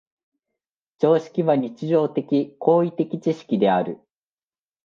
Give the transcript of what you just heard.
常識は日常的・行為的知識である。